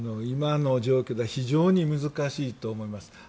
今の状況では非常に難しいと思います。